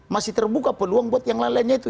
masih terbuka peluang buat yang lain lainnya itu